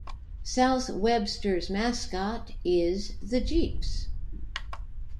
South Webster's mascot is the Jeeps.